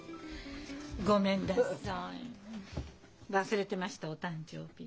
忘れてましたお誕生日。